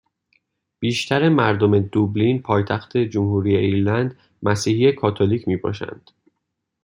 بیشتر مردم دوبلین پایتخت جمهوری ایرلند مسیحی کاتولیک میباشند